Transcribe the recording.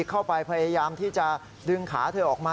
พยายามที่จะดึงขาเธอออกมา